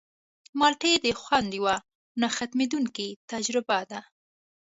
مالټې د خوند یوه نه ختمېدونکې تجربه ده.